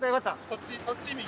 そっちそっち右。